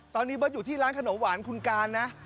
ตอนนี้เบิร์ตอยู่ที่ร้านขนมหวานคุณการนะ